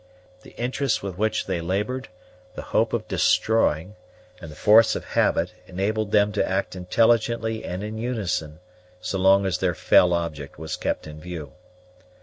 The interest with which they labored, the hope of destroying, and the force of habit, enabled them to act intelligently and in unison, so long as their fell object was kept in view.